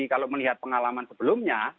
kalau melihat pengalaman sebelumnya